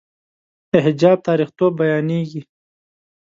د حجاب تاریخيتوب بیانېږي.